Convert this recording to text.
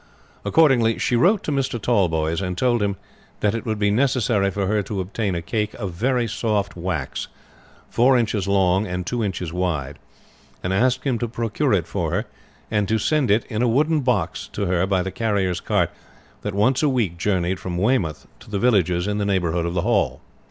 Accordingly she wrote to Mr. Tallboys, and told him that it would be necessary for her to obtain a cake of very soft wax, four inches long and two inches wide, and asked him to procure it for her, and to send it in a wooden box to her by the carrier's cart that once a week journeyed from Weymouth to the villages in the neighborhood of the Hall.